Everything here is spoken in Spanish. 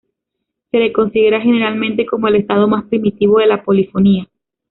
Se le considera generalmente como el estado más primitivo de la polifonía.